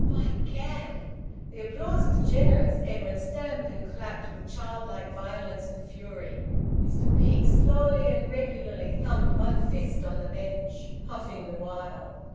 By Gad!" The applause was generous. Edwin stamped and clapped with childlike violence and fury. Mr Peake slowly and regularly thumped one fist on the bench, puffing the while.